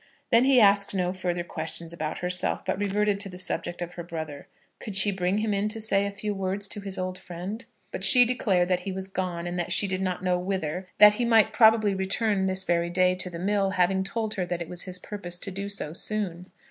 Then he asked no further questions about herself, but reverted to the subject of her brother. Could she bring him in to say a few words to his old friend? But she declared that he was gone, and that she did not know whither; that he might probably return this very day to the mill, having told her that it was his purpose to do so soon.